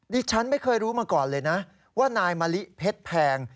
ดิฉันไม่เคยรู้มาก่อนเลยนะว่านายมะลิเพชรแพง